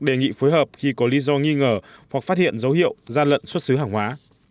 đề nghị phối hợp khi có lý do nghi ngờ hoặc phát hiện dấu hiệu gian lận xuất xứ hàng hóa